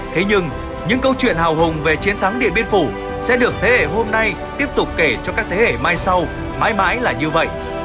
thế nhưng những câu chuyện hào hùng về chiến thắng điện biên phủ sẽ được thế hệ hôm nay tiếp tục kể cho các thế hệ mai sau mãi mãi là như vậy